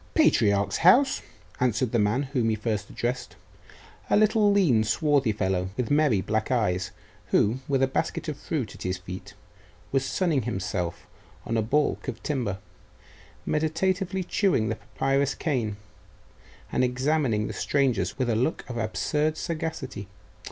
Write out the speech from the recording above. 'Patriarch's house?' answered the man whom he first addressed, a little lean, swarthy fellow, with merry black eyes, who, with a basket of fruit at his feet, was sunning himself on a baulk of timber, meditatively chewing the papyrus cane, and examining the strangers with a look of absurd sagacity.